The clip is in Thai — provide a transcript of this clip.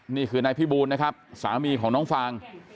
นี่คือนายพี่บูลนะครับสามีของน้องฟาง